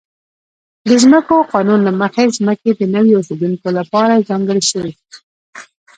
د ځمکو قانون له مخې ځمکې د نویو اوسېدونکو لپاره ځانګړې شوې.